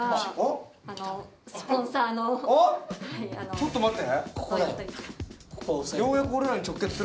ちょっと待って？